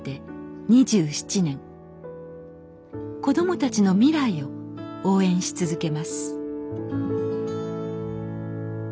子どもたちの未来を応援し続けます